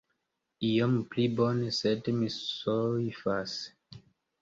Iom pli bone, sed mi soifas.